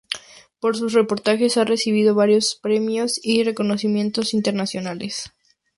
Por sus reportajes ha recibido varios premios y reconocimientos internacionales.